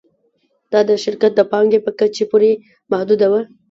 دا د شرکت د پانګې په کچې پورې محدوده وه